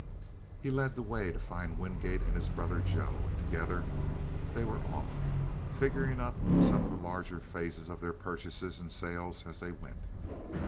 He led the way to find Wingate and his brother Joe, and together they were off, figuring up some of the larger phases of their purchases and sales as they went.